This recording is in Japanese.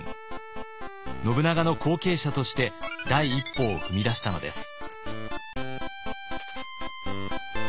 信長の後継者として第一歩を踏み出したのです。